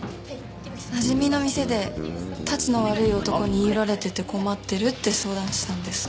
なじみの店でたちの悪い男に言い寄られてて困ってるって相談したんです。